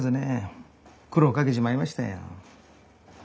苦労をかけちまいましたよ。